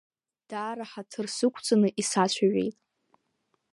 Даара ҳаҭыр сықәҵаны исацәажәеит.